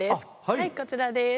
はいこちらです。